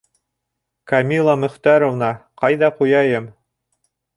Камила Мөхтәровна, ҡайҙа ҡуяйым?